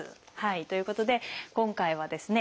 ということで今回はですね